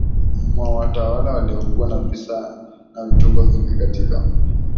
mwa watawala waliokuwa na visa na vituko vingi katika